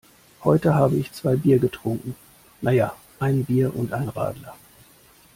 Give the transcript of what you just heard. Heute habe ich zwei Bier getrunken. Na ja, ein Bier und ein Radler.